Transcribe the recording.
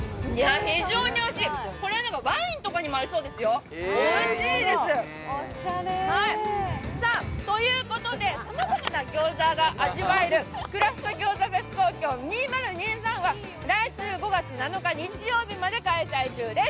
非常においしい、これワインとかにも合いそうですよ、おいしいですさまざまな餃子が味わえるクラフト餃子フェス２０２３は、来週５月７日日曜日まで開催中です。